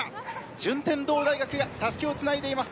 順天堂大学がたすきをつないでいます。